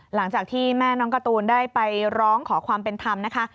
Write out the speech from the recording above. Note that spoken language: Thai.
หลังจากที่แม่น้องการ์ตูนได้ไปร้องขอความเป็นธรรมนะคะ